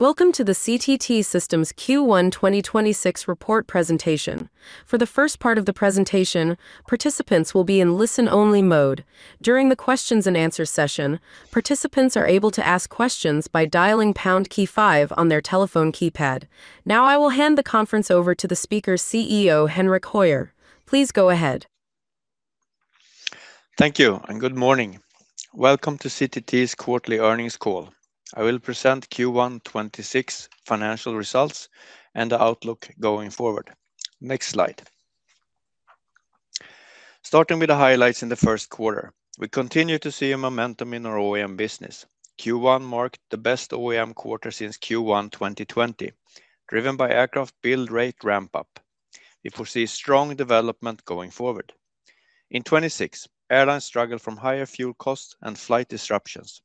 Welcome to the CTT Systems Q1 2026 report presentation. For the first part of the presentation, participants will be in listen-only mode. During the questions and answer session, participants are able to ask questions by dialing pound key five on their telephone keypad. Now, I will hand the conference over to the speaker, CEO Henrik Höjer. Please go ahead. Thank you and good morning. Welcome to CTT's quarterly earnings call. I will present Q1 2026 financial results and the outlook going forward. Next slide. Starting with the highlights in the first quarter. We continue to see a momentum in our OEM business. Q1 marked the best OEM quarter since Q1 2020, driven by aircraft build rate ramp up. We foresee strong development going forward. In 2026, airlines struggle from higher fuel costs and flight disruptions.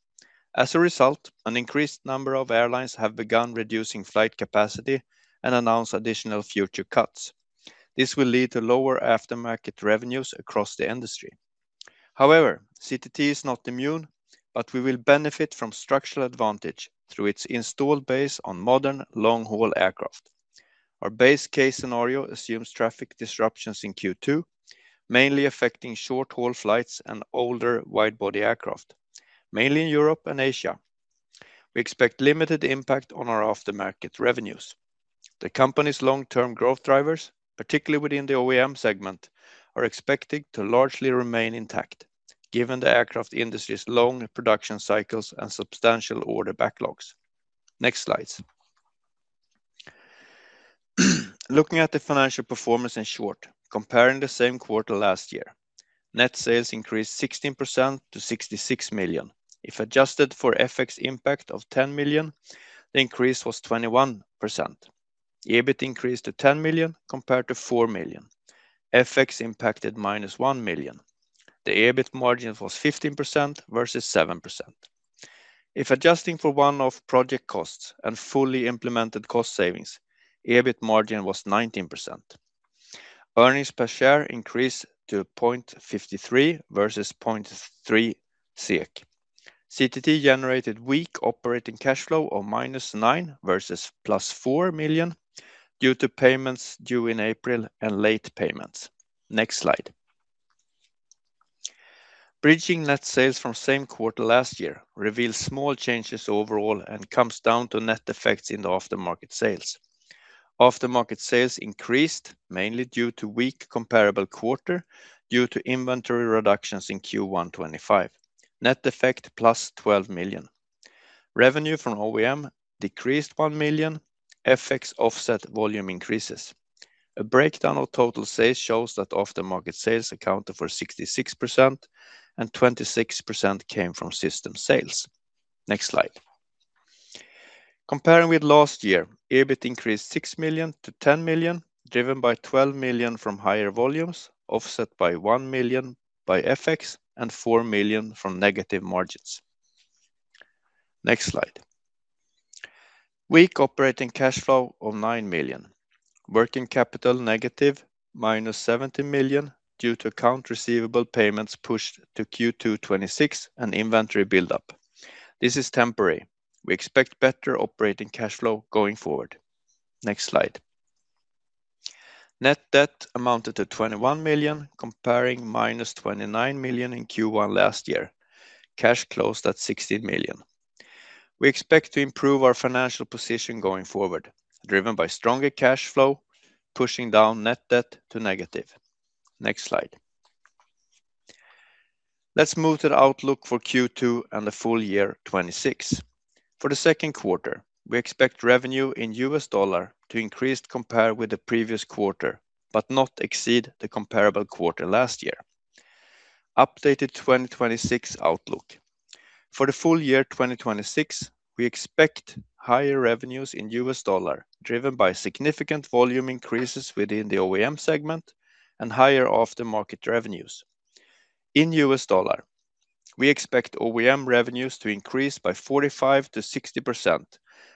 As a result, an increased number of airlines have begun reducing flight capacity and announce additional future cuts. This will lead to lower aftermarket revenues across the industry. However, CTT is not immune, but we will benefit from structural advantage through its installed base on modern long-haul aircraft. Our base case scenario assumes traffic disruptions in Q2, mainly affecting short-haul flights and older wide-body aircraft, mainly in Europe and Asia. We expect limited impact on our aftermarket revenues. The company's long-term growth drivers, particularly within the OEM segment, are expected to largely remain intact given the aircraft industry's long production cycles and substantial order backlogs. Next slides. Looking at the financial performance in short, comparing the same quarter last year, net sales increased 16% to 66 million. If adjusted for FX impact of 10 million, the increase was 21%. EBIT increased to 10 million compared to 4 million. FX impacted -1 million. The EBIT margin was 15% versus 7%. If adjusting for one-off project costs and fully implemented cost savings, EBIT margin was 19%. Earnings per share increased to 0.53 versus 0.3 SEK. CTT generated weak operating cash flow of -9 million versus +4 million due to payments due in April and late payments. Next slide. Bridging net sales from same quarter last year reveals small changes overall and comes down to net effects in the aftermarket sales. Aftermarket sales increased mainly due to weak comparable quarter due to inventory reductions in Q1 2025. Net effect +12 million. Revenue from OEM decreased 1 million. FX offset volume increases. A breakdown of total sales shows that aftermarket sales accounted for 66% and 26% came from system sales. Next slide. Comparing with last year, EBIT increased 6 million-10 million, driven by 12 million from higher volumes, offset by 1 million by FX and 4 million from negative margins. Next slide. Weak operating cash flow of 9 million. Working capital negative -70 million due to account receivable payments pushed to Q2 2026 and inventory build-up. This is temporary. We expect better operating cash flow going forward. Next slide. Net debt amounted to 21 million, compared to -29 million in Q1 last year. Cash closed at 16 million. We expect to improve our financial position going forward, driven by stronger cash flow, pushing down net debt to negative. Next slide. Let's move to the outlook for Q2 and the full year 2026. For the second quarter, we expect revenue in US dollar to increase compared with the previous quarter, but not exceed the comparable quarter last year. Updated 2026 outlook. For the full year 2026, we expect higher revenues in US dollar, driven by significant volume increases within the OEM segment and higher aftermarket revenues. In US dollar, we expect OEM revenues to increase by 45%-60%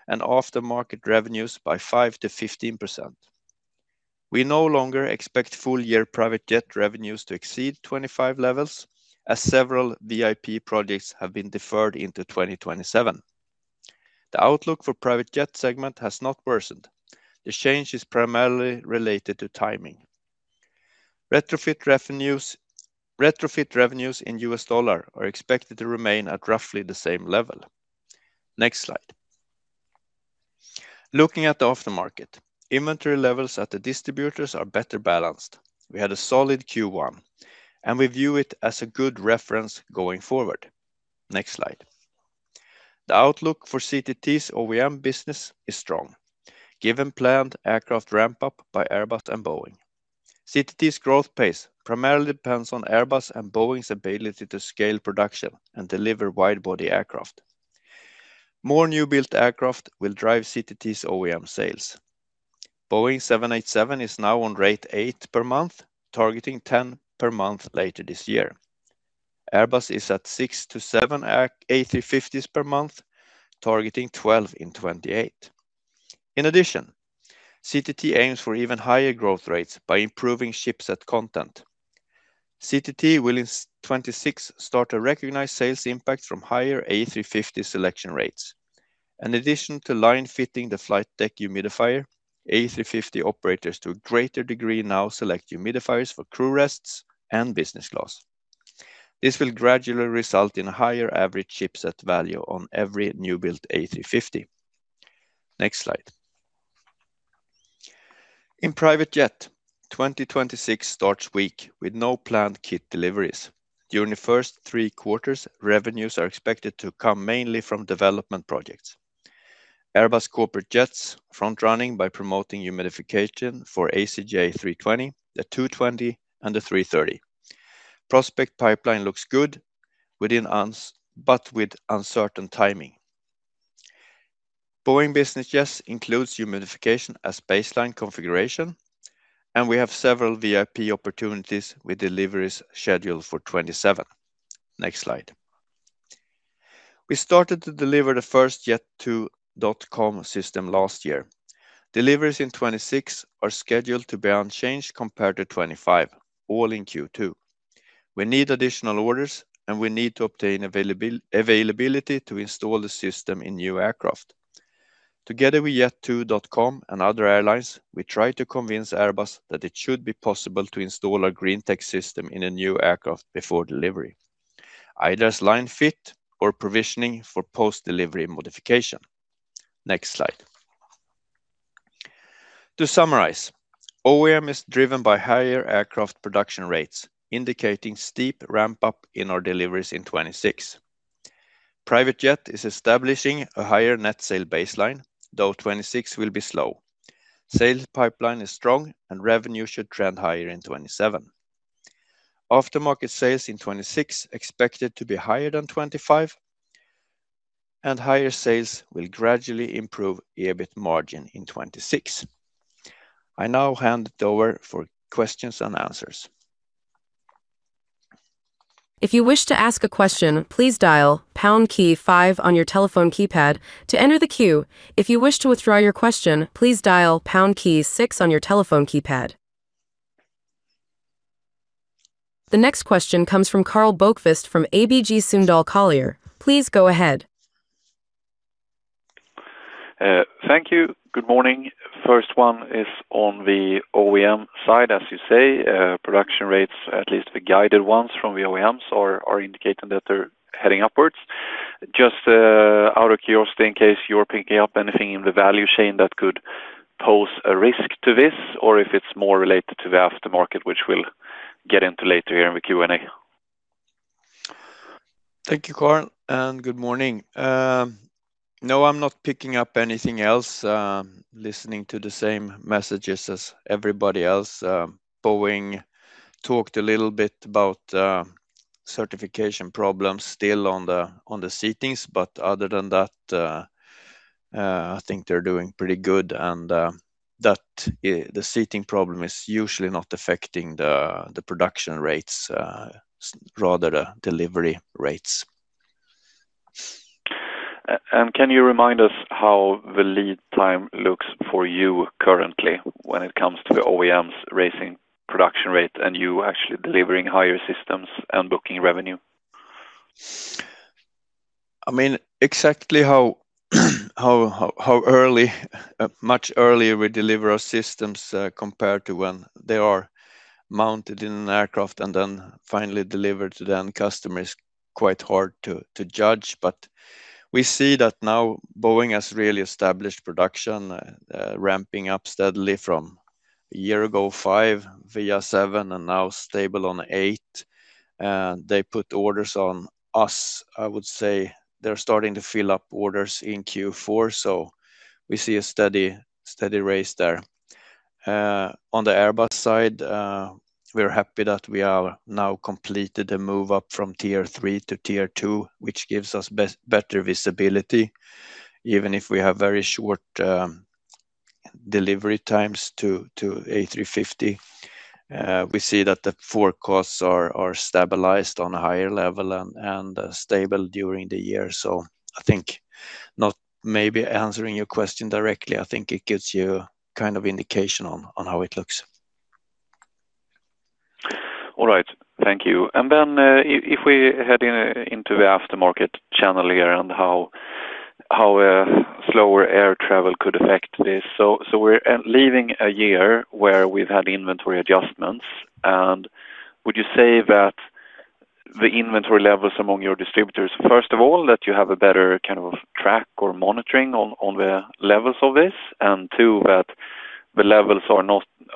and aftermarket revenues by 5%-15%. We no longer expect full year private jet revenues to exceed 2025 levels as several VIP projects have been deferred into 2027. The outlook for private jet segment has not worsened. The change is primarily related to timing. Retrofit revenues in U.S. dollar are expected to remain at roughly the same level. Next slide. Looking at the aftermarket, inventory levels at the distributors are better balanced. We had a solid Q1, and we view it as a good reference going forward. Next slide. The outlook for CTT's OEM business is strong given planned aircraft ramp-up by Airbus and Boeing. CTT's growth pace primarily depends on Airbus and Boeing's ability to scale production and deliver wide-body aircraft. More new-built aircraft will drive CTT's OEM sales. Boeing 787 is now on rate eight per month, targeting 10 per month later this year. Airbus is at six to seven A350s per month, targeting 12 in 2028. In addition, CTT aims for even higher growth rates by improving shipset content. CTT will in 2026 start to recognize sales impact from higher A350 selection rates. In addition to line-fit the Flight Deck Humidifier, A350 operators to a greater degree now select humidifiers for crew rests and business class. This will gradually result in a higher average shipset value on every new built A350. Next slide. In private jet, 2026 starts weak with no planned kit deliveries. During the first three quarters, revenues are expected to come mainly from development projects. Airbus Corporate Jets front-running by promoting humidification for ACJ320, the TwoTwenty, and the 330. Prospect pipeline looks good but with uncertain timing. Boeing Business Jets includes humidification as baseline configuration, and we have several VIP opportunities with deliveries scheduled for 2027. Next slide. We started to deliver the first Jet2.com system last year. Deliveries in 2026 are scheduled to be unchanged compared to 2025, all in Q2. We need additional orders, and we need to obtain availability to install the system in new aircraft. Together with Jet2.com and other airlines, we try to convince Airbus that it should be possible to install our Green Tech system in a new aircraft before delivery, either as line-fit or provisioning for post-delivery modification. Next slide. To summarize, OEM is driven by higher aircraft production rates, indicating steep ramp-up in our deliveries in 2026. Private jet is establishing a higher net sale baseline, though 2026 will be slow. Sales pipeline is strong and revenue should trend higher in 2027. Aftermarket sales in 2026 expected to be higher than 2025, and higher sales will gradually improve EBIT margin in 2026. I now hand it over for questions and answers. If you wish to ask a question, please dial #5 on your telephone keypad to enter the queue. If you wish to withdraw your question, please dial #6 on your telephone keypad. The next question comes from Karl Bokvist from ABG Sundal Collier. Please go ahead. Thank you. Good morning. First one is on the OEM side. As you say, production rates, at least the guided ones from the OEMs are indicating that they're heading upwards. Just out of curiosity, in case you're picking up anything in the value chain that could pose a risk to this, or if it's more related to the aftermarket, which we'll get into later here in the Q&A. Thank you, Karl, and good morning. No, I'm not picking up anything else. Listening to the same messages as everybody else. Boeing talked a little bit about certification problems still on the seatings, but other than that, I think they're doing pretty good. The seating problem is usually not affecting the production rates, rather the delivery rates. Can you remind us how the lead time looks for you currently when it comes to the OEMs raising production rate and you actually delivering higher systems and booking revenue? I mean, exactly how much earlier we deliver our systems compared to when they are mounted in an aircraft and then finally delivered to the end customer is quite hard to judge. We see that now Boeing has really established production, ramping up steadily from a year ago, five via seven, and now stable on eight. They put orders on us. I would say they're starting to fill up orders in Q4, so we see a steady raise there. On the Airbus side, we're happy that we have now completed the move up from Tier 3 to Tier 2, which gives us better visibility, even if we have very short delivery times to A350. We see that the FX costs are stabilized on a higher level and stable during the year. I think not maybe answering your question directly, I think it gives you kind of indication on how it looks. All right. Thank you. Then, if we head into the aftermarket channel here and how a slower air travel could affect this. We're leaving a year where we've had inventory adjustments, and would you say that the inventory levels among your distributors, first of all, that you have a better kind of track or monitoring on the levels of this, and two, that the levels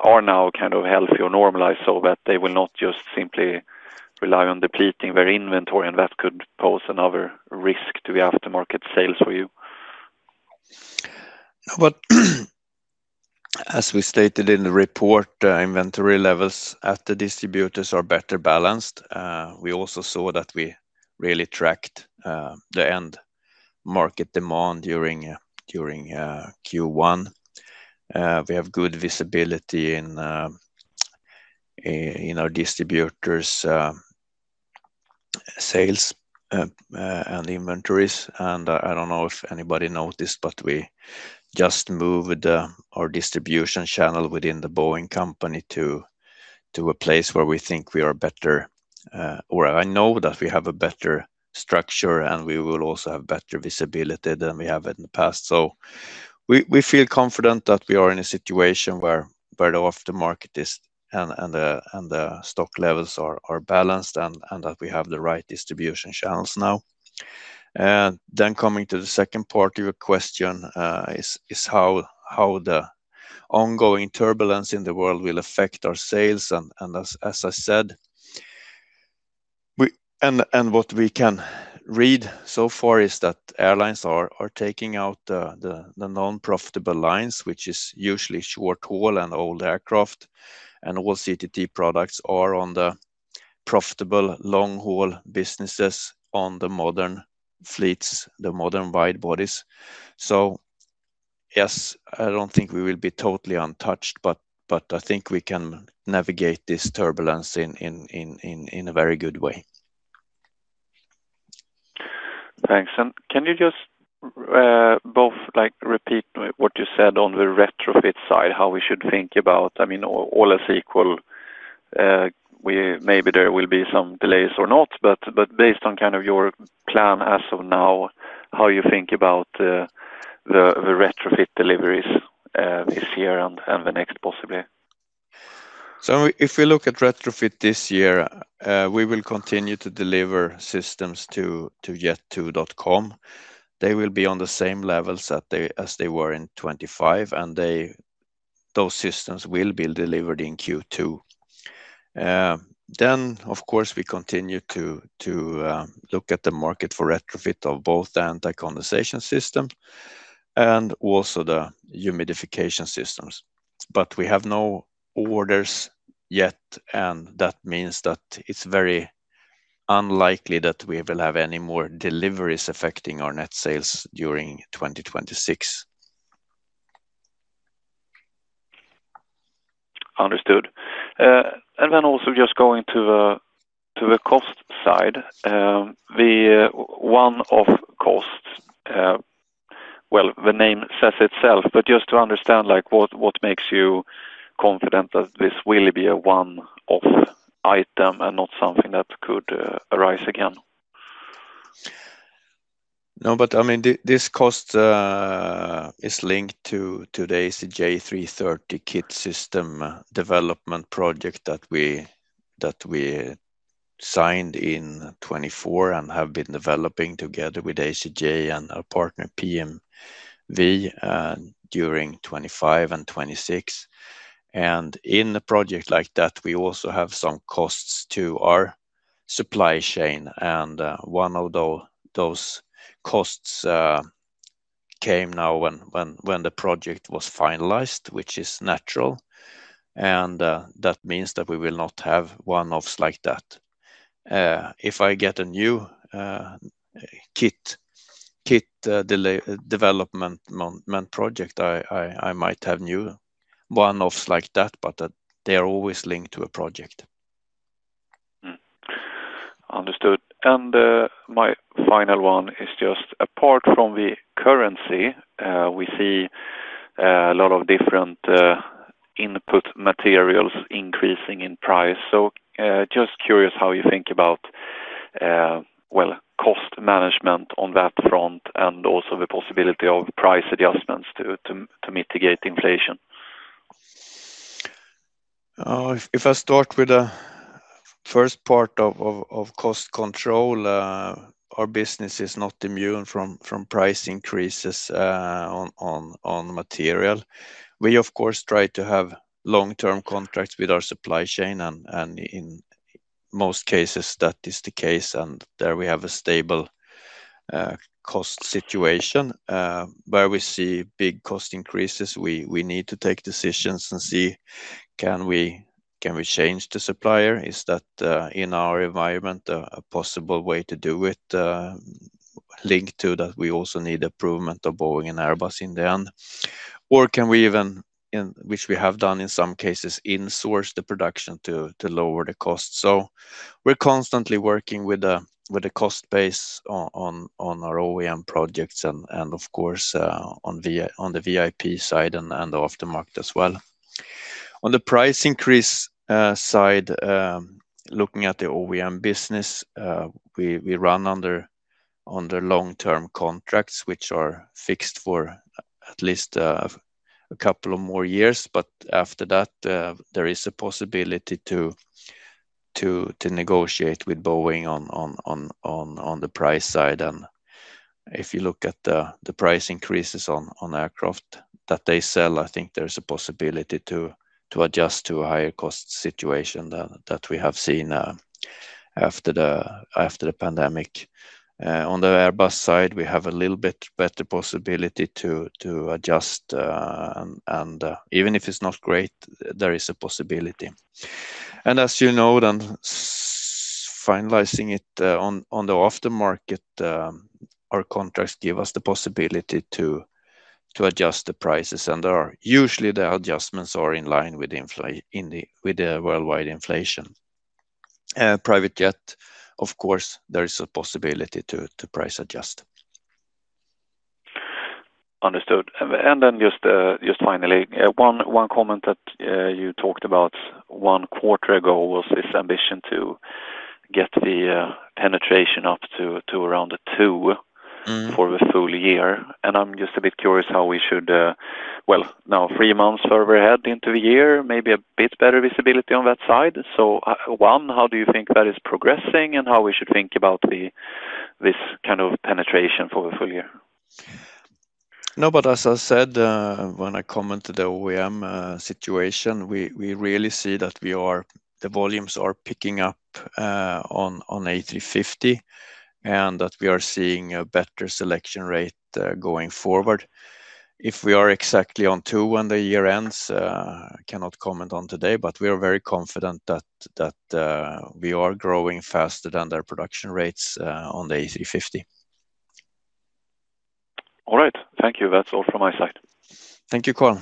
are now kind of healthy or normalized so that they will not just simply rely on depleting their inventory and that could pose another risk to the aftermarket sales for you? As we stated in the report, inventory levels at the distributors are better balanced. We also saw that we really tracked the end market demand during Q1. We have good visibility in our distributors, sales, and inventories. I don't know if anybody noticed, but we just moved our distribution channel within the Boeing company to a place where we think we are better, or I know that we have a better structure, and we will also have better visibility than we have in the past. We feel confident that we are in a situation where the after market is and the stock levels are balanced and that we have the right distribution channels now. Coming to the second part of your question, how the ongoing turbulence in the world will affect our sales and, as I said, what we can read so far is that airlines are taking out the non-profitable lines, which is usually short-haul and old aircraft, and all CTT products are on the profitable long-haul businesses on the modern fleets, the modern wide-bodies. Yes, I don't think we will be totally untouched, but I think we can navigate this turbulence in a very good way. Thanks. Can you just both like repeat what you said on the retrofit side, how we should think about, I mean, all else equal, maybe there will be some delays or not, but based on kind of your plan as of now, how you think about the retrofit deliveries this year and the next possibly? If we look at retrofit this year, we will continue to deliver systems to Jet2.com. They will be on the same levels as they were in 2025, and those systems will be delivered in Q2. Of course, we continue to look at the market for retrofit of both the anti-condensation system and also the humidification systems. We have no orders yet, and that means that it's very unlikely that we will have any more deliveries affecting our net sales during 2026. Understood. Also just going to the cost side, the one-off costs, well, the name says it itself, but just to understand, like, what makes you confident that this will be a one-off item and not something that could arise again? No, but I mean, this cost is linked to today's ACJ330 kit system development project that we signed in 2024 and have been developing together with ACJ and our partner PMV during 2025 and 2026. In a project like that, we also have some costs to our supply chain, and one of those costs came now when the project was finalized, which is natural, and that means that we will not have one-offs like that. If I get a new kit development project, I might have new one-offs like that, but they are always linked to a project. Understood. My final one is just apart from the currency, we see a lot of different input materials increasing in price. Just curious how you think about well, cost management on that front and also the possibility of price adjustments to mitigate inflation. If I start with the first part of cost control, our business is not immune from price increases on material. We of course try to have long-term contracts with our supply chain and in most cases that is the case, and there we have a stable cost situation. Where we see big cost increases, we need to take decisions and see can we change the supplier? Is that in our environment a possible way to do it? Linked to that, we also need improvement of Boeing and Airbus in the end. Or can we even, which we have done in some cases, insource the production to lower the cost. We're constantly working with the cost base on our OEM projects and of course on the VIP side and the aftermarket as well. On the price increase side, looking at the OEM business, we run under long-term contracts, which are fixed for at least a couple of more years. After that, there is a possibility to negotiate with Boeing on the price side. If you look at the price increases on aircraft that they sell, I think there's a possibility to adjust to a higher cost situation that we have seen after the pandemic. On the Airbus side, we have a little bit better possibility to adjust, and even if it's not great, there is a possibility. As you know, then finalizing it on the aftermarket, our contracts give us the possibility to adjust the prices, and usually the adjustments are in line with the worldwide inflation. Private jet, of course, there is a possibility to price adjust. Understood. Just finally, one comment that you talked about one quarter ago was this ambition to get the penetration up to around two- Mm. for the full year. I'm just a bit curious how we should, now three months into the year, maybe a bit better visibility on that side. One, how do you think that is progressing and how we should think about the this kind of penetration for the full year? No, but as I said, when I commented the OEM situation, we really see that the volumes are picking up on A350, and that we are seeing a better selection rate going forward. If we are exactly on two when the year ends, I cannot comment on today, but we are very confident that we are growing faster than their production rates on the A350. All right. Thank you. That's all from my side. Thank you, Karl.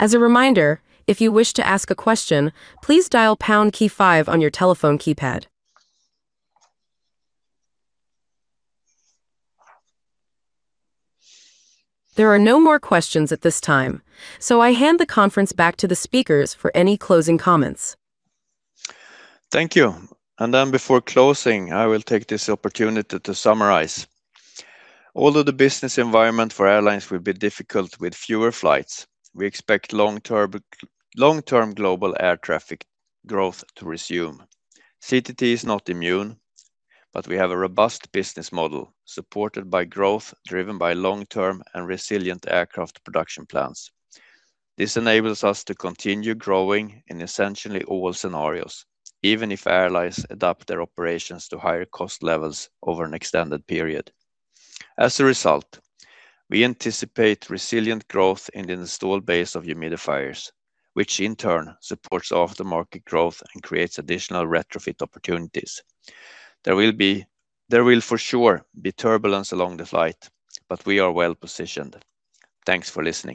As a reminder, if you wish to ask a question, please dial # key five on your telephone keypad. There are no more questions at this time, so I hand the conference back to the speakers for any closing comments. Thank you. Before closing, I will take this opportunity to summarize. Although the business environment for airlines will be difficult with fewer flights, we expect long-term global air traffic growth to resume. CTT is not immune, but we have a robust business model supported by growth, driven by long-term and resilient aircraft production plans. This enables us to continue growing in essentially all scenarios, even if airlines adapt their operations to higher cost levels over an extended period. As a result, we anticipate resilient growth in the installed base of humidifiers, which in turn supports after-market growth and creates additional retrofit opportunities. There will for sure be turbulence along the flight, but we are well-positioned. Thanks for listening.